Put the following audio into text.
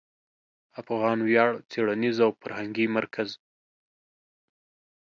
افغان ویاړ څېړنیز او فرهنګي مرکز